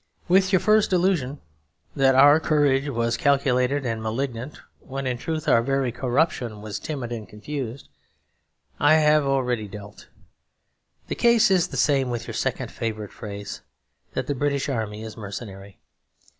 With your first delusion, that our courage was calculated and malignant when in truth our very corruption was timid and confused, I have already dealt. The case is the same with your second favourite phrase; that the British army is mercenary.